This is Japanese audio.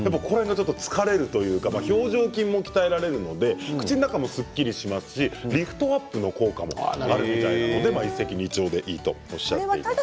疲れるというか表情筋も鍛えられるので口の中もすっきりしますしリフトアップの効果もあるみたいなので一石二鳥でいいとおっしゃってました。